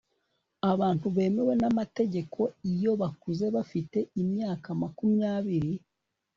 abantu bemewe n'amategeko iyo bakuze bafite imyaka makumyabiri